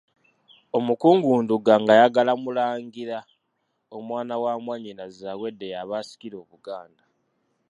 Omukungu Ndugga ng'ayagala Mulangira omwana wa mwannyina Zaawedde ye aba asikira Obuganda.